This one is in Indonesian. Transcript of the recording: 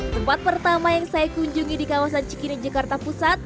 tempat pertama yang saya kunjungi di kawasan cikini jakarta pusat